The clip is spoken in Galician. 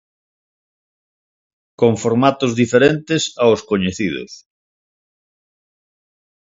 Con formatos diferentes aos coñecidos.